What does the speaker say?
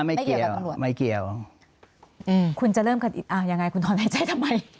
ไม่เกี่ยวกับตำรวจนะครับไม่เกี่ยวคุณจะเริ่มกันอีกยังไงคุณถอดหายใจทำไม